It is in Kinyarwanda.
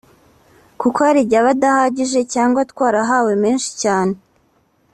kuko hari igihe aba adahagije cyangwa twarahawe menshi cyane